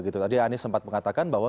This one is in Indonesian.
tadi anies sempat mengatakan bahwa